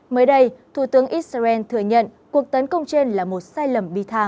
mới đây thủ tướng israel thừa nhận cuộc tấn công trên là một sai lầm bi thảm